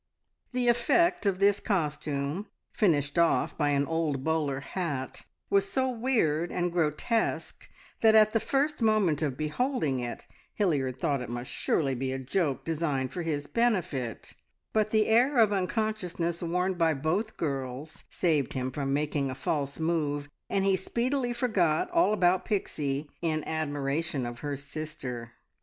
The effect of this costume, finished off by an old bowler hat, was so weird and grotesque that at the first moment of beholding it Hilliard thought it must surely be a joke designed for his benefit; but the air of unconsciousness worn by both girls saved him from making a false move, and he speedily forgot all about Pixie in admiration of her sister.